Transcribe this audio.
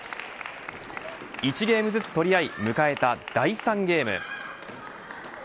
１ゲームずつ取り合い迎えた第３ゲーム。